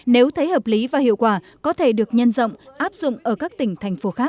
nếu thấy hợp lý và hiệu quả có thể được nhân rộng áp dụng ở các tỉnh thành phố khác